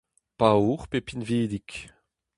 Paour pe pinvidik.